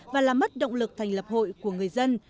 và làm mất động lực thành lập hội của người dân